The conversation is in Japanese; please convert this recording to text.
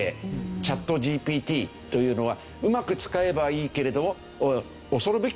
ＣｈａｔＧＰＴというのはうまく使えばいいけれども恐るべき事になるかもしれない。